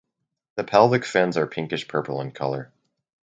The pelvic fins are pinkish purple in colour.